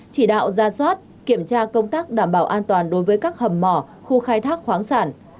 chỉ đạo ra soát kiểm tra công tác đảm bảo an toàn đối với các hầm mỏ khu khai thác khoáng sản